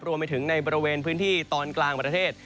รวมไปถึงในบริเวณพื้นที่ตอนกลางประเทศ